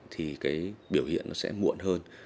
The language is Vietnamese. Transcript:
thì cái biểu hiện nó sẽ muộn hơn